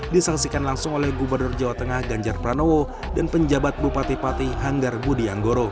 disaksikan langsung oleh gubernur jawa tengah ganjar pranowo dan penjabat bupati pati hanggar budi anggoro